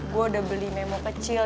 gue udah beli memo kecil